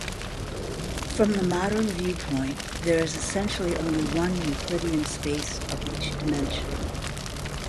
From the modern viewpoint, there is essentially only one Euclidean space of each dimension.